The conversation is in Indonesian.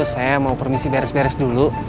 saya mau permisi beres beres dulu